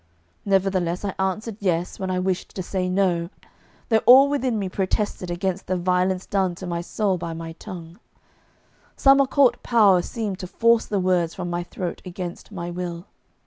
Nevertheless I answered 'Yes' when I wished to say 'No,' though all within me protested against the violence done to my soul by my tongue. Some occult power seemed to force the words from my throat against my will.